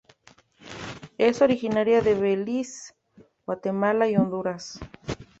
Es originaria de Belice, Guatemala, y Honduras.